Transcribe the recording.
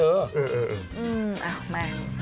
เอออืมเอามา